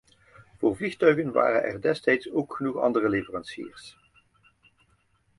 Voor vliegtuigen waren er destijds ook genoeg andere leveranciers.